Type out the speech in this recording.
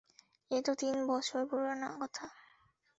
এ তো তিন বছর পুরানা কথা।